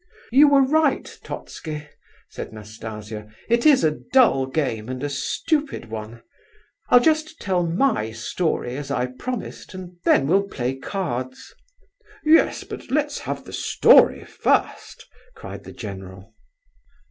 "You were right, Totski," said Nastasia, "it is a dull game and a stupid one. I'll just tell my story, as I promised, and then we'll play cards." "Yes, but let's have the story first!" cried the general.